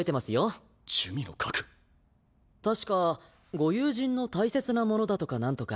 確かご友人の大切なものだとかなんとか。